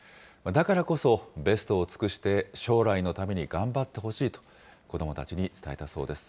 だからこそ、ベストを尽くして、将来のために頑張ってほしいと、子どもたちに伝えたそうです。